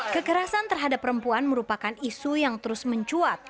kekerasan terhadap perempuan merupakan isu yang terus mencuat